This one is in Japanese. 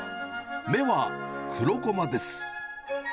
目は黒ゴマです。